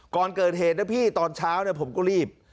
ก่อนเกิดเหตุนะพี่ตอนเช้าผมก็รีบ